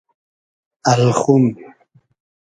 الخوم